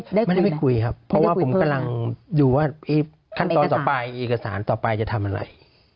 ไม่ได้ไปคุยครับเพราะว่าผมกำลังดูว่าขั้นตอนต่อไปเอกสารต่อไปจะทำอะไร